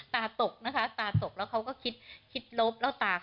ตาตกนะคะตาตกแล้วเขาก็คิดลบ